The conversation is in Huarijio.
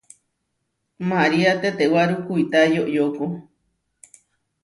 Maria tetewáru kuitá yoyóko.